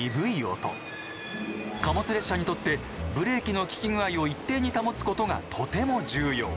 貨物列車にとってブレーキのきき具合を一定に保つことがとても重要。